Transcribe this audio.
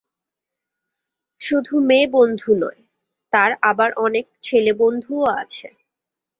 শুধু মেয়ে বন্ধু নয়, তার আবার অনেক ছেলেবন্ধুও আছে।